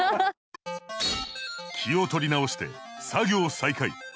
気を取り直して作業再開。